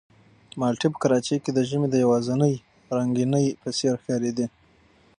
مالټې په کراچۍ کې د ژمي د یوازینۍ رنګینۍ په څېر ښکارېدې.